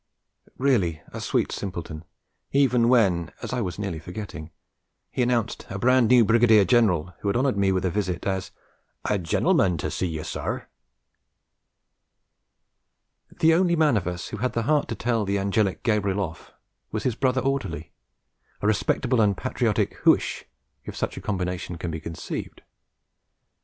Really a sweet simpleton, even when (as I was nearly forgetting) he announced a brand new Brigadier General, who had honoured me with a visit, as 'A gen'leman to see you, sir!' The only man of us who had the heart to tell the angelic Gabriel off was his brother orderly, a respectable and patriotic Huish, if such a combination can be conceived.